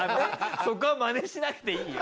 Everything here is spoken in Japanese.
そこは真似しなくていいよ。